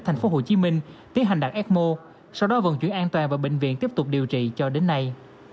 thành phố hồ chí minh tiến hành đặt ecmo sau đó vận chuyển an toàn và bệnh viện tiếp tục điều trị cho đến nay